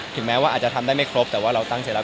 แม้ว่าอาจจะทำได้ไม่ครบแต่ว่าเราตั้งเสร็จแล้ว